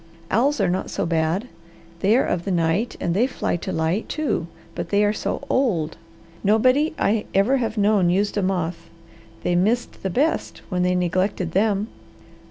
Owls are not so bad. They are of the night, and they fly to light, too, but they are so old. Nobody I ever have known used a moth. They missed the best when they neglected them.